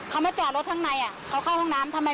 เขามาจอดรถข้างในเขาเข้าห้องน้ำทำไม